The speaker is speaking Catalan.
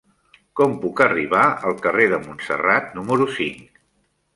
Com puc arribar al carrer de Montserrat número cinc?